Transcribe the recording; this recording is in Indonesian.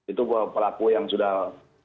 itu pelaku yang sudah